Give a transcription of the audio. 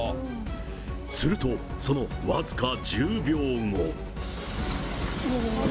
すると、その僅か１０秒後。